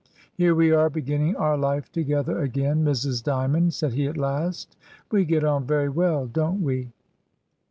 "Here we are beginning our life together again, Mrs. Dymond," said he at last "We get on very well, don't we?"